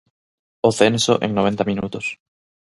O censo en noventa minutos.